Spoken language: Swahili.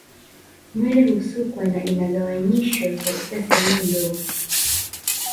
Nywele husukwa na inagawanyishwa katika sehemu ndogo